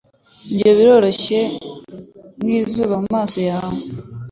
Ibyo biroroshye nkizuru mumaso yawe